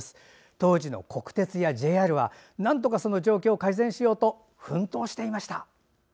当時の国鉄やＪＲはなんとかその状況を改善しようと奮闘していました。